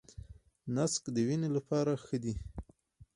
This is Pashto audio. نسک د وینې لپاره ښه دي.